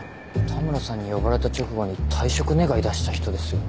田村さんに呼ばれた直後に退職願出した人ですよね。